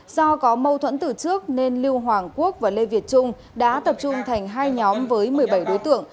do có mâu thuẫn từ trước nên lưu hoàng quốc và lê việt trung đã tập trung thành hai nhóm với một mươi bảy đối tượng